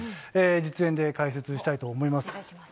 実演で解説したいと思います。